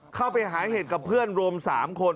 เข้าไปหาเห็ดกับเพื่อนรวม๓คน